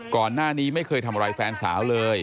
ก่อนหน้านี้ไม่เคยทำอะไรแฟนสาวเลย